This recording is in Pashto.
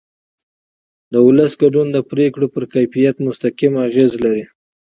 د ولس ګډون د پرېکړو پر کیفیت مستقیم اغېز لري